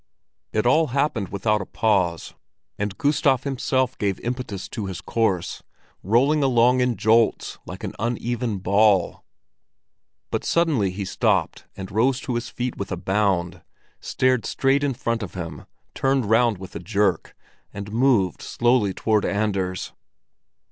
It all happened without a pause, and Gustav himself gave impetus to his course, rolling along in jolts like an uneven ball. But suddenly he stopped and rose to his feet with a bound, stared straight in front of him, turned round with a jerk, and moved slowly toward Anders.